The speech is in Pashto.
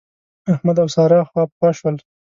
احمد او سارا خواپخوا شول.